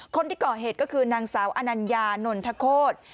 คนที่ก่อเหตุก็คือนางสาวอนัญญานนทโคตร